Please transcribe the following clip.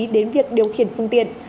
đến việc điều khiển phương tiện